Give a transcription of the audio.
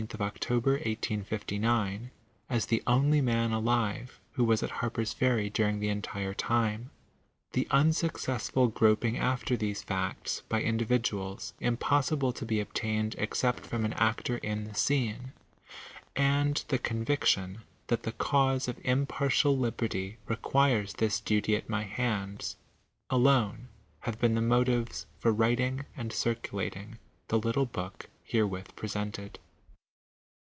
of October, 1859, as the only man alive who was at Harper'i Ferry during the ewtire time — the unsuccessful groping after these facts, by individuals, impossible to bo obtained, except from an actor in the scene — and the "onviction that the cause of impartial liberty requires this duty at my hr.ads — alone have been the motives for writing and cir culating the little book herewith presented.